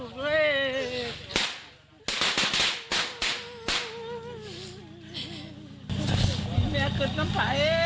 แม่ขึ้นต้นฝ่าย